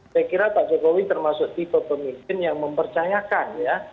saya kira pak jokowi termasuk tipe pemimpin yang mempercayakan ya